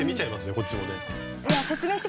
こっちもね。